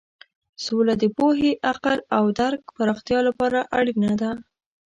سوله د پوهې، عقل او درک پراختیا لپاره اړینه ده.